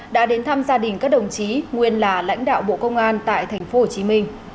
đã đến thăm gia đình các đồng chí nguyên là lãnh đạo bộ công an tại tp hcm